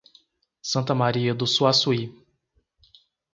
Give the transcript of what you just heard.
Santa Maria do Suaçuí